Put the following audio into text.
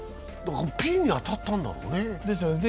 ピンに当たったんだろうね。